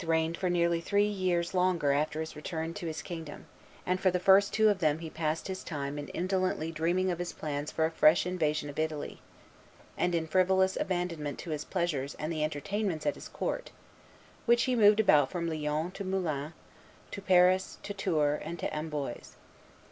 reigned for nearly three years longer after his return to his kingdom; and for the first two of them he passed his time in indolently dreaming of his plans for a fresh invasion of Italy, and in frivolous abandonment to his pleasures and the entertainments at his court, which he moved about from Lyons to Moulins, to Paris, to Tours, and to Amboise.